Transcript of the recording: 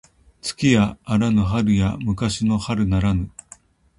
月やあらぬ春や昔の春ならぬ